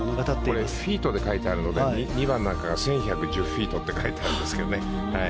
これフィートで書いてあるので２番なんかが１１１０フィートって書いてあるんですけどね。